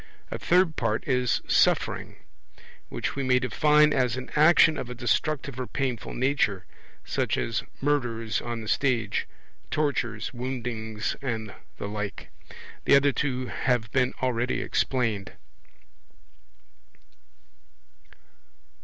A third part is Suffering; which we may define as an action of a destructive or painful nature, such as murders on the stage, tortures, woundings, and the like. The other two have been already explained.